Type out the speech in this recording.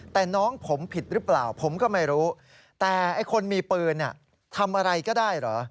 แต่น้องผมผิดหรือเปล่าผมก็ไม่รู้แต่ไอ้คนมีปืนทำอะไรก็ได้เหรอ